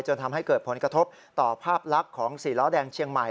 ทำให้เกิดผลกระทบต่อภาพลักษณ์ของสี่ล้อแดงเชียงใหม่